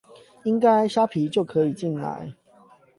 應該蝦皮就可以進來